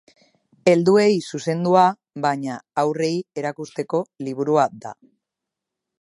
Helduei zuzendua, baina, haurrei erakusteko liburua da.